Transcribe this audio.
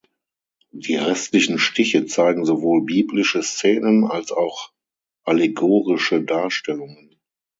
Die restlichen Stiche zeigen sowohl biblische Szenen als auch allegorische Darstellungen.